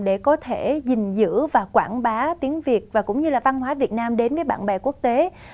để có thể gìn giữ và quảng bá tiếng việt và cũng như là văn hóa việt nam đến với bạn bè quốc tế